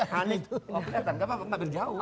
oh kelihatan kenapa nanti jauh